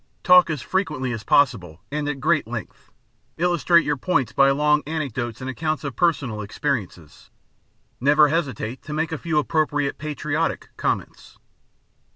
Talk as frequently as possible and at great length. Illustrate your "points" by long anecdotes and accounts of personal experiences. Never hesitate to make a few appropriate "patriotic" comments.